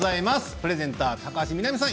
プレゼンター、高橋みなみさん